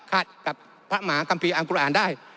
กับพระหมากัมภีร์อังกุอ่านได้